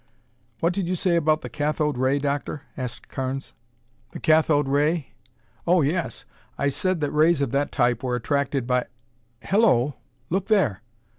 "What did you say about the cathode ray, Doctor?" asked Carnes. "The cathode ray? Oh, yes. I said that rays of that type were attracted by Hello, look there!"